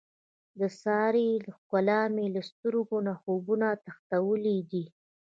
د سارې ښکلا مې له سترګو نه خوبونه تښتولي دي.